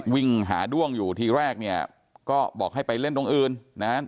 วิ่งหาด้วงอยู่ทีแรกเนี่ยก็บอกให้ไปเล่นตรงอื่นนะฮะ